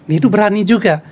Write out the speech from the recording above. itu berani juga